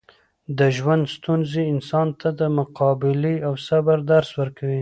د ژوند ستونزې انسان ته د مقابلې او صبر درس ورکوي.